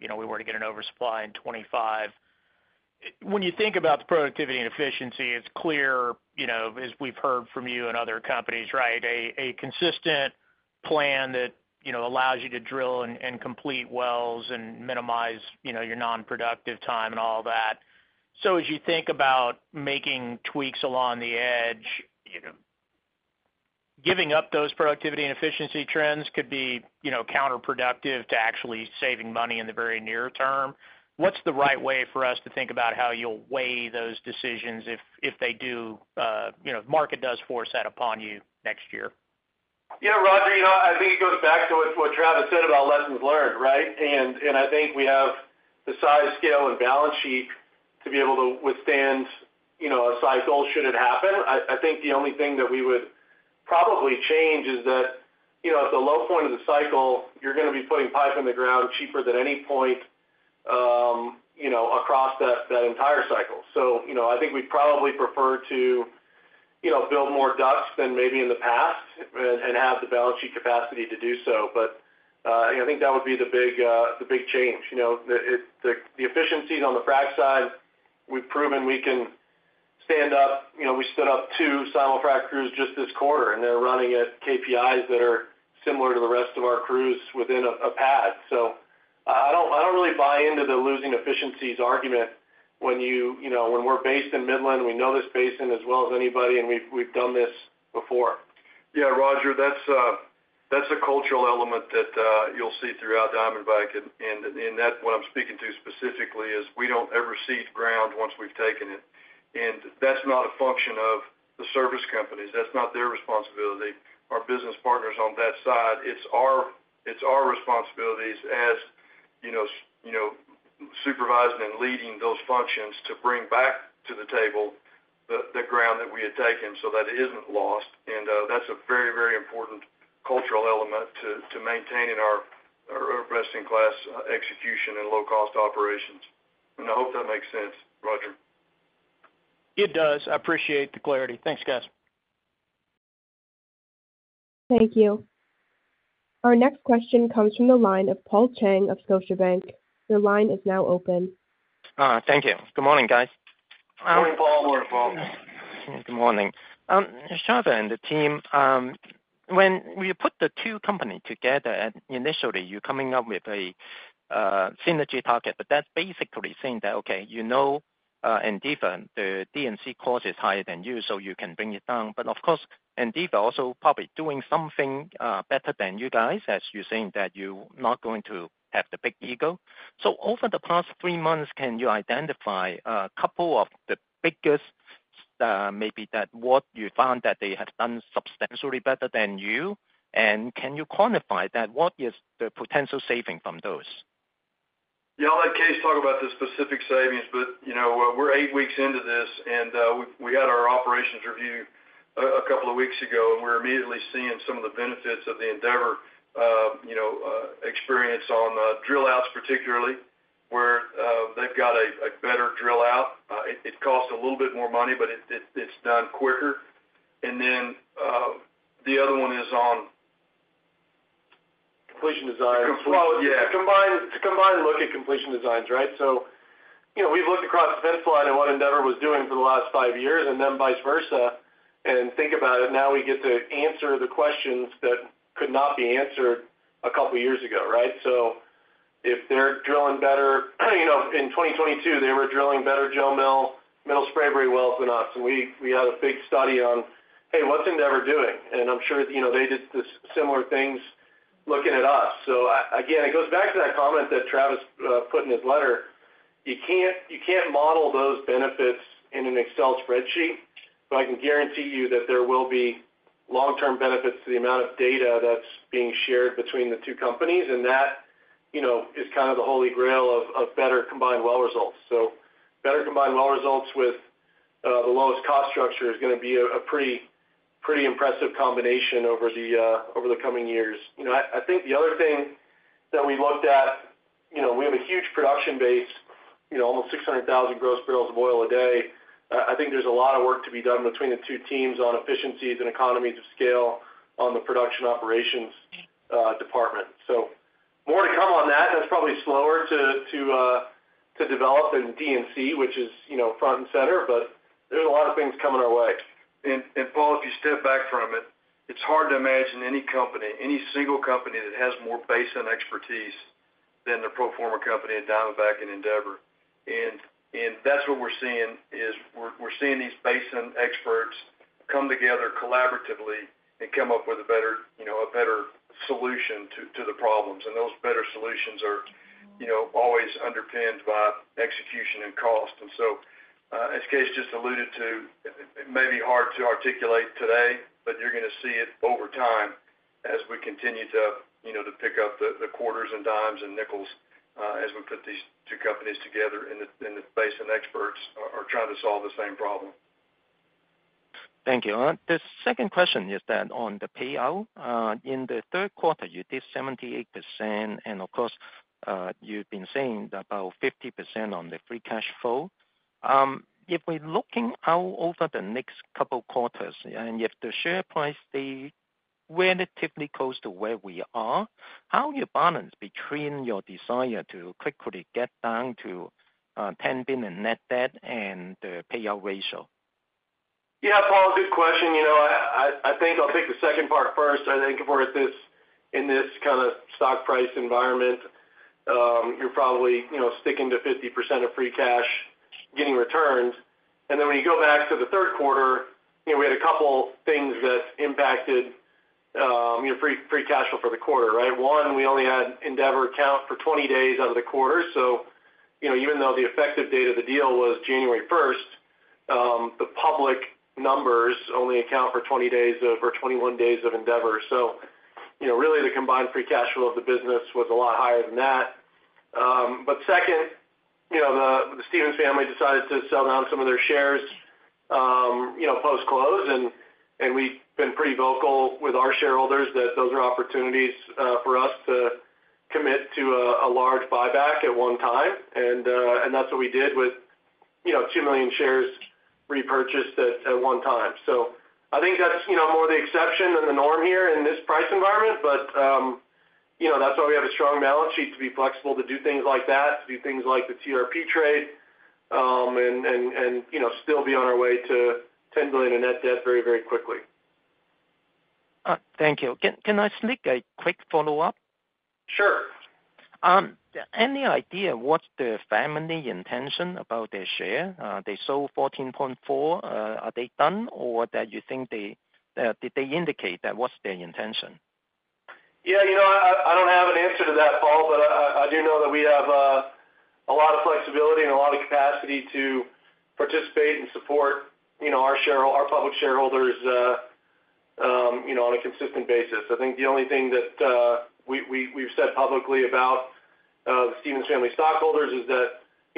we were to get an oversupply in 2025. When you think about the productivity and efficiency, it's clear, as we've heard from you and other companies, right, a consistent plan that allows you to drill and complete wells and minimize your nonproductive time and all that. So as you think about making tweaks along the edge, giving up those productivity and efficiency trends could be counterproductive to actually saving money in the very near term. What's the right way for us to think about how you'll weigh those decisions if they do, if market does force that upon you next year? Roger, I think it goes back to what Travis said about lessons learned, right? And I think we have the size, scale, and balance sheet to be able to withstand a cycle should it happen. I think the only thing that we would probably change is that at the low point of the cycle, you're going to be putting pipe in the ground cheaper than any point across that entire cycle. So I think we'd probably prefer to build more DUCs than maybe in the past and have the balance sheet capacity to do so. But I think that would be the big change. The efficiencies on the frac side, we've proven we can stand up. We stood up two simul frac crews just this quarter, and they're running at KPIs that are similar to the rest of our crews within a pad. So I don't really buy into the losing efficiencies argument when we're based in Midland, and we know this basin as well as anybody, and we've done this before. Roger, that's a cultural element that you'll see throughout Diamondback. And that's what I'm speaking to specifically is we don't ever cede ground once we've taken it. And that's not a function of the service companies. That's not their responsibility, our business partners on that side. It's our responsibilities as supervising and leading those functions to bring back to the table the ground that we had taken so that it isn't lost. And that's a very, very important cultural element to maintaining our best-in-class execution and low-cost operations. And I hope that makes sense, Roger. It does. I appreciate the clarity. Thanks, guys. Thank you. Our next question comes from the line of Paul Cheng of Scotiabank. Your line is now open. Thank you. Good morning, guys. Morning, Paul. Morning, Paul. Good morning. Travis and the team, when we put the two companies together initially, you're coming up with a synergy target, but that's basically saying that, okay, you know Endeavor, the D&C cost is higher than you, so you can bring it down. But of course, Endeavor also probably doing something better than you guys, as you're saying that you're not going to have the big ego. So over the past three months, can you identify a couple of the biggest maybe that what you found that they have done substantially better than you? And can you quantify that? What is the potential saving from those? I'll let Kaes talk about the specific savings, but we're eight weeks into this, and we had our operations review a couple of weeks ago, and we're immediately seeing some of the benefits of the Endeavor experience on drill outs, particularly where they've got a better drill out. It costs a little bit more money, but it's done quicker. And then the other one is on completion designs. Combined look at completion designs, right? So we've looked across the fence line at what Endeavor was doing for the last five years and then vice versa. And think about it, now we get to answer the questions that could not be answered a couple of years ago, right? So if they're drilling better in 2022, they were drilling better Jo Mill, Middle Spraberry wells than us. We had a big study on, "Hey, what's Endeavor doing?" I'm sure they did similar things looking at us. It goes back to that comment that Travis put in his letter. You can't model those benefits in an Excel spreadsheet, but I can guarantee you that there will be long-term benefits to the amount of data that's being shared between the two companies. That is kind of the holy grail of better combined well results. Better combined well results with the lowest cost structure is going to be a pretty impressive combination over the coming years. The other thing that we looked at is we have a huge production base, almost 600,000 gross barrels of oil a day. There's a lot of work to be done between the two teams on efficiencies and economies of scale on the production operations department. So more to come on that. That's probably slower to develop than D&C, which is front and center, but there's a lot of things coming our way. And Paul, if you step back from it, it's hard to imagine any company, any single company that has more basin expertise than the pro forma company at Diamondback and Endeavor. And that's what we're seeing is we're seeing these basin experts come together collaboratively and come up with a better solution to the problems. And those better solutions are always underpinned by execution and cost. And so as Case just alluded to, it may be hard to articulate today, but you're going to see it over time as we continue to pick up the quarters and dimes and nickels as we put these two companies together and the basin experts are trying to solve the same problem. Thank you. The second question is that on the payout, in the Q3, you did 78%, and of course, you've been saying about 50% on the free cash flow. If we're looking out over the next couple of quarters and if the share price, they're relatively close to where we are, how do you balance between your desire to quickly get down to $10 billion net debt and the payout ratio? Paul, good question. I think I'll pick the second part first. I think for in this kind of stock price environment, you're probably sticking to 50% of free cash getting returns. And then when you go back to the Q3, we had a couple of things that impacted free cash flow for the quarter, right? One, we only had Endeavor account for 20 days out of the quarter. So even though the effective date of the deal was January 1st, the public numbers only account for 20 days or 21 days of Endeavor. So really, the combined free cash flow of the business was a lot higher than that. But second, the Stephens family decided to sell down some of their shares post-close. And we've been pretty vocal with our shareholders that those are opportunities for us to commit to a large buyback at one time. And that's what we did with two million shares repurchased at one time. So I think that's more the exception than the norm here in this price environment. But that's why we have a strong balance sheet to be flexible to do things like that, to do things like the TRP trade and still be on our way to $10 billion of net debt very, very quickly. Thank you. Can I sneak a quick follow-up? Sure. Any idea what's the family's intention about their share? They sold 14.4. Are they done or do you think they indicated that? What's their intention? I don't have an answer to that, Paul, but I do know that we have a lot of flexibility and a lot of capacity to participate and support our public shareholders on a consistent basis. I think the only thing that we've said publicly about the Stephens family stockholders is that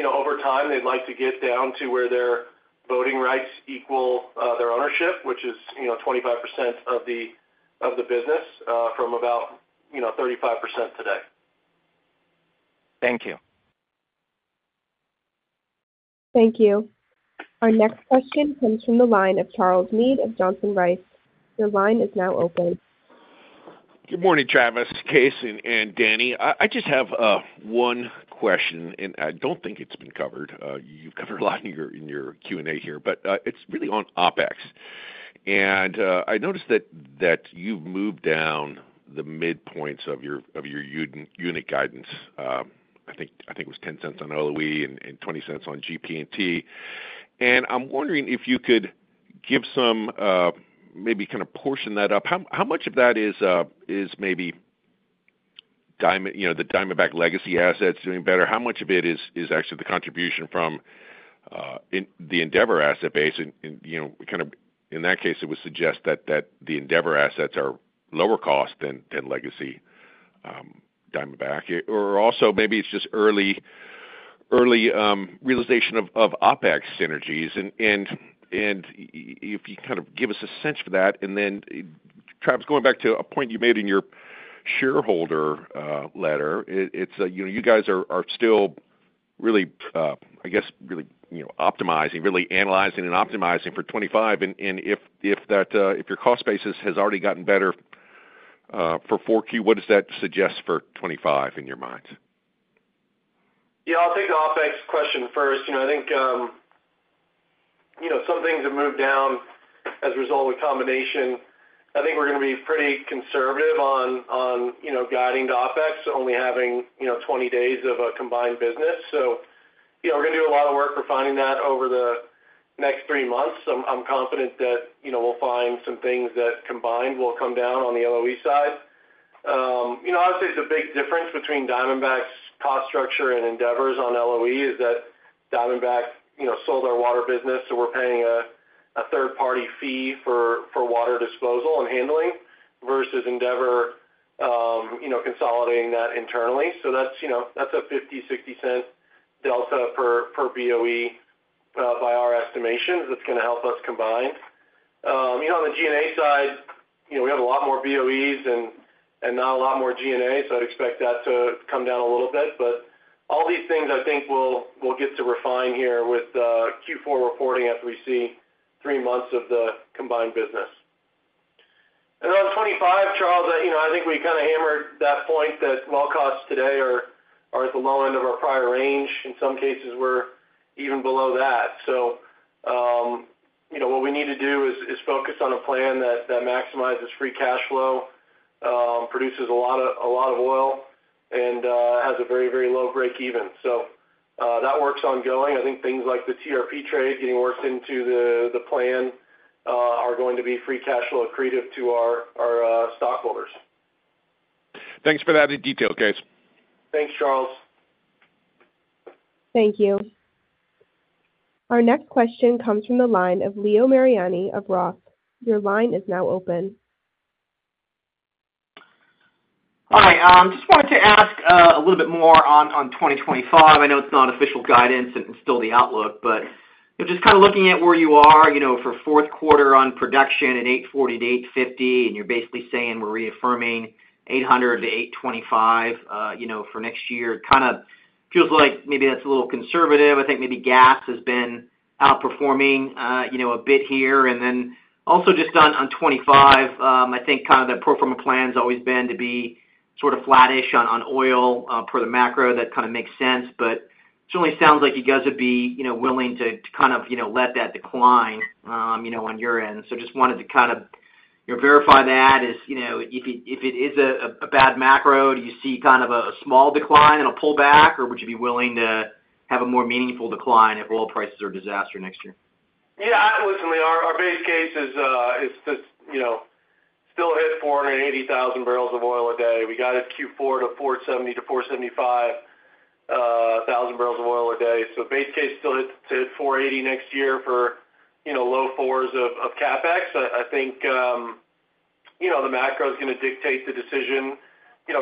over time, they'd like to get down to where their voting rights equal their ownership, which is 25% of the business from about 35% today. Thank you. Thank you. Our next question comes from the line of Charles Meade of Johnson Rice. Your line is now open. Good morning, Travis, Kaes, and Danny. I just have one question, and I don't think it's been covered. You've covered a lot in your Q&A here, but it's really on OpEx. And I noticed that you've moved down the midpoints of your unit guidance. I think it was $0.10 on LOE and $0.20 on GP&T. And I'm wondering if you could give some maybe kind of break that up. How much of that is maybe the Diamondback legacy assets doing better? How much of it is actually the contribution from the Endeavor asset base? And kind of in that case, it would suggest that the Endeavor assets are lower cost than legacy Diamondback. Or also maybe it's just early realization of OpEx synergies. And if you kind of give us a sense for that. And then, Travis, going back to a point you made in your shareholder letter, it's you guys are still really, I guess, really optimizing, really analyzing and optimizing for 2025. And if your cost basis has already gotten better for 4Q, what does that suggest for 2025 in your mind? I'll take the OpEx question first. I think some things have moved down as a result of a combination. I think we're going to be pretty conservative on guiding to OpEx, only having 20 days of a combined business. So we're going to do a lot of work for finding that over the next three months. I'm confident that we'll find some things that combined will come down on the LOE side. I would say the big difference between Diamondback's cost structure and Endeavor's on LOE is that Diamondback sold our water business, so we're paying a third-party fee for water disposal and handling versus Endeavor consolidating that internally. So that's a $0.50-$0.60 delta per BOE by our estimations that's going to help us combine. On the G&A side, we have a lot more BOEs and not a lot more G&A, so I'd expect that to come down a little bit. But all these things, I think, we'll get to refine here with Q4 reporting after we see three months of the combined business. And on 2025, Charles, I think we kind of hammered that point that well costs today are at the low end of our prior range. In some cases, we're even below that. So what we need to do is focus on a plan that maximizes free cash flow, produces a lot of oil, and has a very, very low break-even. So that works ongoing. I think things like the TRP trade getting worked into the plan are going to be free cash flow accretive to our stockholders. Thanks for that in detail, Kaes. Thanks, Charles. Thank you. Our next question comes from the line of Leo Mariani of Roth. Your line is now open. Hi. I just wanted to ask a little bit more on 2025. I know it's not official guidance and still the outlook, but just kind of looking at where you are for Q4 on production at 840-850, and you're basically saying we're reaffirming 800-825 for next year. It kind of feels like maybe that's a little conservative. I think maybe gas has been outperforming a bit here. And then also just on 2025, I think kind of the pro forma plan has always been to be sort of flattish on oil per the macro. That kind of makes sense, but it certainly sounds like you guys would be willing to kind of let that decline on your end. So just wanted to kind of verify that. If it is a bad macro, do you see kind of a small decline and a pullback, or would you be willing to have a more meaningful decline if oil prices are a disaster next year? Listen, our base case is still hit 480,000 barrels of oil a day. We got it Q4 to 470-475,000 barrels of oil a day. So base case still hit 480 next year for low fours of CapEx. I think the macro is going to dictate the decision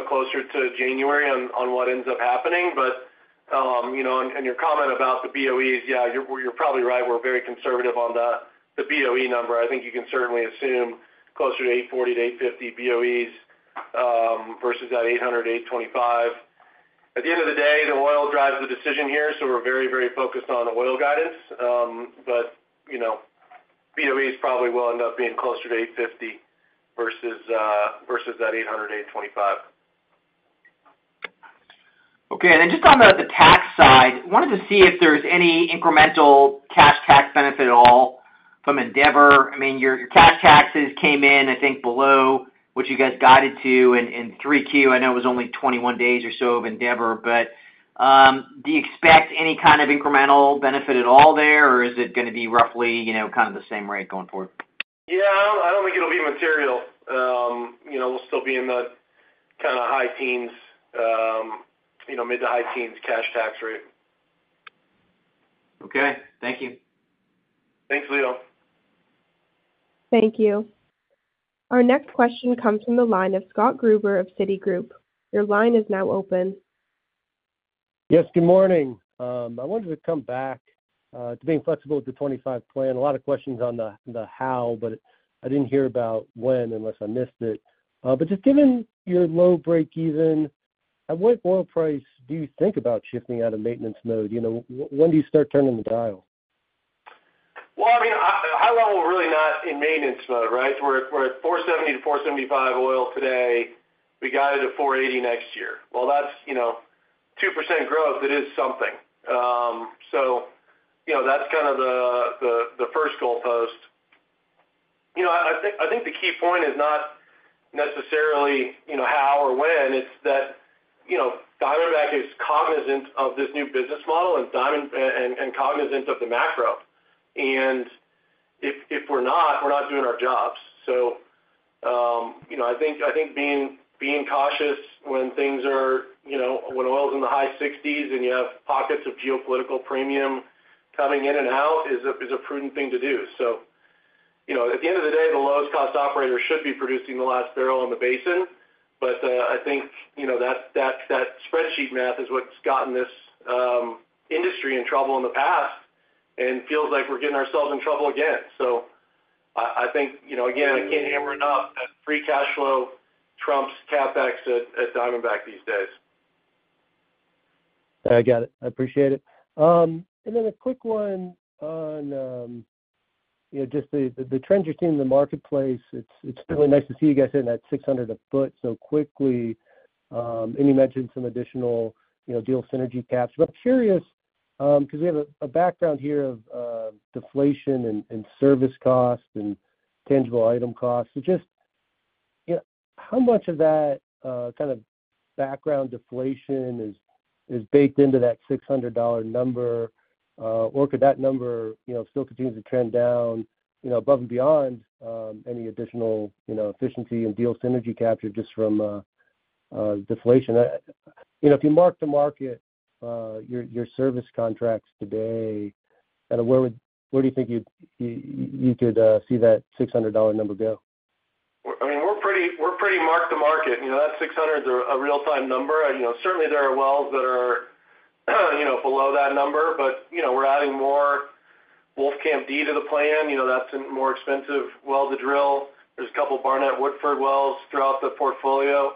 closer to January on what ends up happening. But on your comment about the BOEs, you're probably right. We're very conservative on the BOE number. I think you can certainly assume closer to 840-850 BOEs versus that 800-825. At the end of the day, the oil drives the decision here, so we're very, very focused on oil guidance. But BOEs probably will end up being closer to 850 versus that 800-825. Okay. And then just on the tax side, wanted to see if there's any incremental cash tax benefit at all from Endeavor. I mean, your cash taxes came in, I think, below what you guys guided to in 3Q. I know it was only 21 days or so of Endeavor, but do you expect any kind of incremental benefit at all there, or is it going to be roughly kind of the same rate going forward? I don't think it'll be material. We'll still be in the kind of high teens, mid to high teens cash tax rate. Okay. Thank you. Thanks, Leo. Thank you. Our next question comes from the line of Scott Gruber of Citigroup. Your line is now open. Yes, good morning. I wanted to come back to being flexible with the 2025 plan. A lot of questions on the how, but I didn't hear about when unless I missed it. But just given your low break-even, at what oil price do you think about shifting out of maintenance mode? When do you start turning the dial? mean, at a high level we're really not in maintenance mode, right? We're at 470-475 oil today. We guided to 480 next year. That's 2% growth. It is something. That's kind of the first goalpost. I think the key point is not necessarily how or when. It's that Diamondback is cognizant of this new business model and cognizant of the macro. And if we're not, we're not doing our jobs. I think being cautious when things are when oil's in the high 60s and you have pockets of geopolitical premium coming in and out is a prudent thing to do. At the end of the day, the lowest cost operator should be producing the last barrel in the basin. I think that spreadsheet math is what's gotten this industry in trouble in the past and feels like we're getting ourselves in trouble again. So I think, again, I can't hammer it home that free cash flow trumps CapEx at Diamondback these days. I got it. I appreciate it, and then a quick one on just the trends you're seeing in the marketplace. It's really nice to see you guys hitting that 600 a foot so quickly, and you mentioned some additional deal synergy capture, but I'm curious because we have a background here of deflation and service costs and tangible item costs, so just how much of that kind of background deflation is baked into that $600 number, or could that number still continue to trend down above and beyond any additional efficiency and deal synergy capture just from deflation? If you mark to market your service contracts today, kind of where do you think you could see that $600 number go? I mean, we're pretty mark to market. That 600 is a real-time number. Certainly, there are wells that are below that number, but we're adding more Wolfcamp D to the plan. That's a more expensive well to drill. There's a couple of Barnett Woodford wells throughout the portfolio.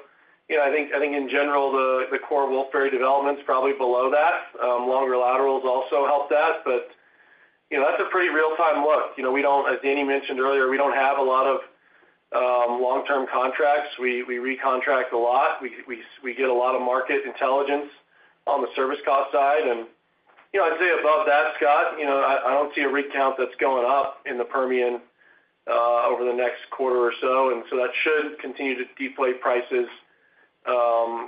I think in general, the core Wolfberry development's probably below that. Longer laterals also help that. But that's a pretty real-time look. As Danny mentioned earlier, we don't have a lot of long-term contracts. We recontract a lot. We get a lot of market intelligence on the service cost side. And I'd say above that, Scott, I don't see a rig count that's going up in the Permian over the next quarter or so. And so that should continue to deflate prices,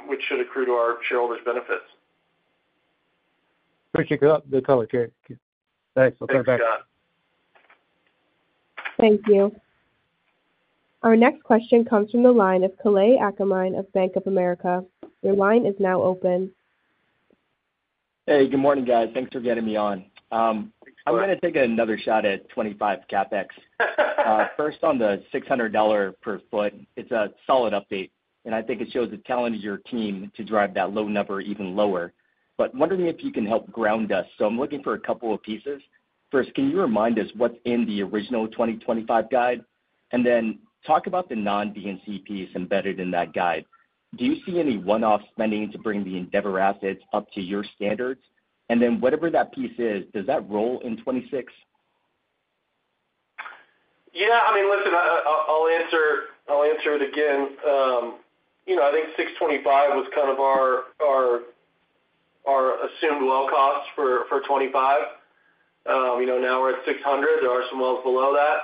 which should accrue to our shareholders' benefits. Appreciate the color. Thanks. I'll turn it back. Thanks, Scott. Thank you. Our next question comes from the line of Kale Akamine of Bank of America. Your line is now open. Hey, good morning, guys. Thanks for getting me on. I'm going to take another shot at 2025 CapEx. First, on the $600 per foot, it's a solid update. And I think it shows the talent of your team to drive that low number even lower. But wondering if you can help ground us. So I'm looking for a couple of pieces. First, can you remind us what's in the original 2025 guide? And then talk about the non-D&C piece embedded in that guide. Do you see any one-off spending to bring the Endeavor assets up to your standards? And then whatever that piece is, does that roll in 2026? Listen, I'll answer it again. I think 625 was kind of our assumed well cost for 2025. Now we're at 600. There are some wells below that.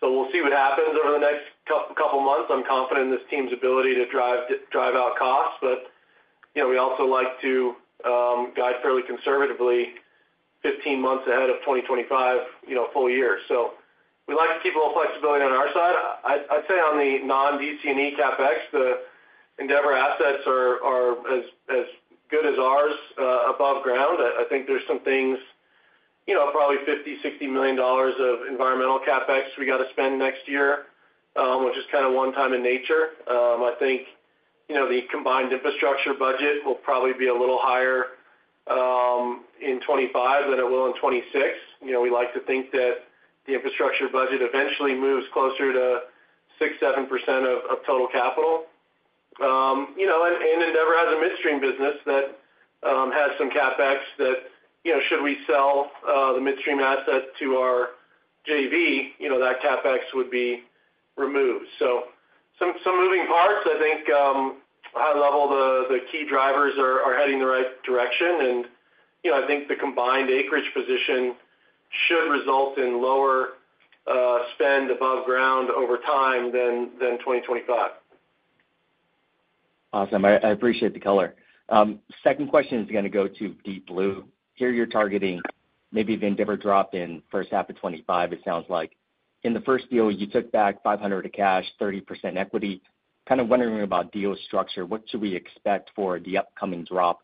So we'll see what happens over the next couple of months. I'm confident in this team's ability to drive out costs. But we also like to guide fairly conservatively 15 months ahead of 2025 full year. So we like to keep a little flexibility on our side. I'd say on the non-DC&E CapEx, the Endeavor assets are as good as ours above ground. I think there's some things, probably $50 million-$60 million of environmental CapEx we got to spend next year, which is kind of one-time in nature. I think the combined infrastructure budget will probably be a little higher in 2025 than it will in 2026. We like to think that the infrastructure budget eventually moves closer to 6%-7% of total capital. And Endeavor has a midstream business that has some CapEx that, should we sell the midstream asset to our JV, that CapEx would be removed. So some moving parts. I think high-level the key drivers are heading the right direction. And I think the combined acreage position should result in lower spend above ground over time than 2025. Awesome. I appreciate the color. Second question is going to go to Deep Blue. Here you're targeting maybe the Endeavor drop in H1 of 2025, it sounds like. In the first deal, you took back $500 million in cash, 30% equity. Kind of wondering about deal structure. What should we expect for the upcoming drop?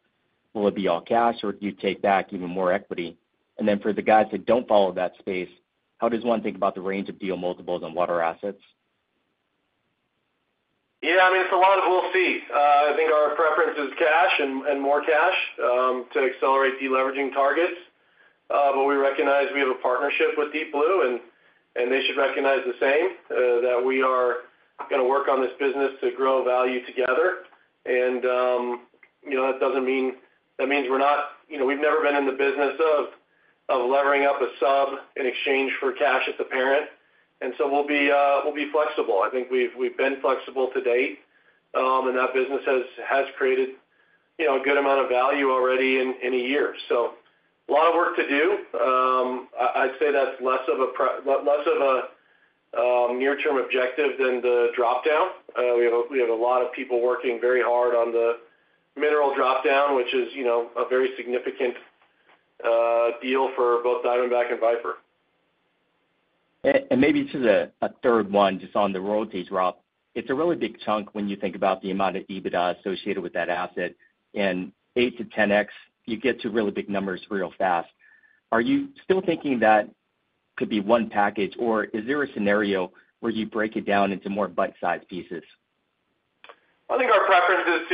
Will it be all cash, or do you take back even more equity? And then for the guys that don't follow that space, how does one think about the range of deal multiples on water assets? It's a lot of we'll see. I think our preference is cash and more cash to accelerate de-leveraging targets. But we recognize we have a partnership with Deep Blue, and they should recognize the same that we are going to work on this business to grow value together. And that doesn't mean that means we're not. We've never been in the business of levering up a sub in exchange for cash at the parent. And so we'll be flexible. I think we've been flexible to date, and that business has created a good amount of value already in a year. So a lot of work to do. I'd say that's less of a near-term objective than the dropdown. We have a lot of people working very hard on the mineral dropdown, which is a very significant deal for both Diamondback and Viper. Maybe just a third one, just on the royalty drop. It's a really big chunk when you think about the amount of EBITDA associated with that asset. 8x-10x, you get to really big numbers real fast. Are you still thinking that could be one package, or is there a scenario where you break it down into more bite-sized pieces? I think our preference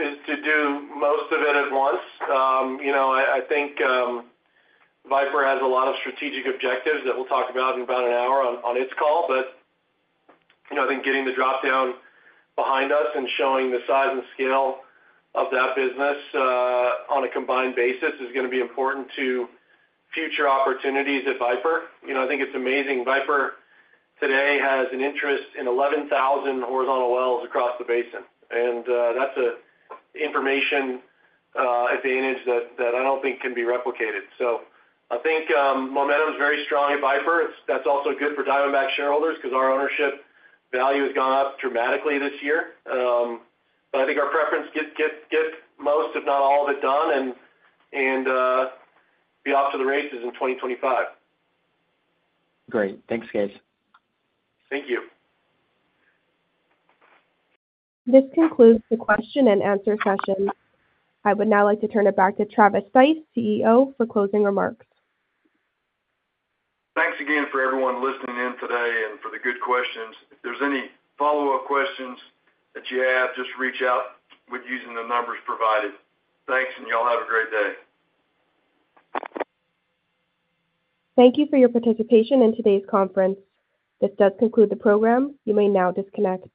is to do most of it at once. I think Viper has a lot of strategic objectives that we'll talk about in about an hour on its call. But I think getting the dropdown behind us and showing the size and scale of that business on a combined basis is going to be important to future opportunities at Viper. I think it's amazing. Viper today has an interest in 11,000 horizontal wells across the basin. And that's an information advantage that I don't think can be replicated. So I think momentum is very strong at Viper. That's also good for Diamondback shareholders because our ownership value has gone up dramatically this year. But I think our preference is to get most, if not all of it done, and be off to the races in 2025. Great. Thanks, guys. Thank you. This concludes the question and answer session. I would now like to turn it back to Travis Stice, CEO, for closing remarks. Thanks again for everyone listening in today and for the good questions. If there's any follow-up questions that you have, just reach out using the numbers provided. Thanks, and y'all have a great day. Thank you for your participation in today's conference. This does conclude the program. You may now disconnect.